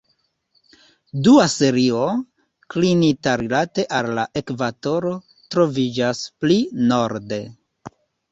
Dua serio, klinita rilate al la ekvatoro, troviĝas pli norde.